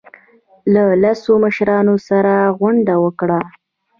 له لسو مشرانو سره غونډه وکړه.